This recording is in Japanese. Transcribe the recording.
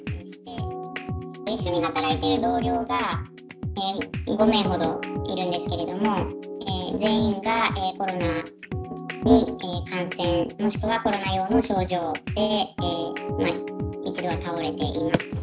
一緒に働いている同僚が５名ほどいるんですけれども、全員がコロナに感染、もしくはコロナ様の症状で、一度は倒れています。